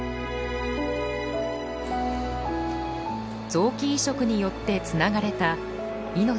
臓器移植によってつながれた命。